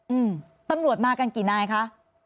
อืมตำรวจมากันกี่นายคะ